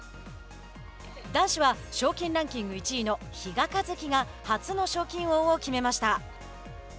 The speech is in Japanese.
男子は、賞金ランキング１位の比嘉一貴が初の賞金王を決めました。